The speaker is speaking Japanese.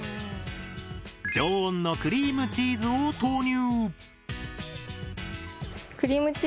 常温のクリームチーズを投入！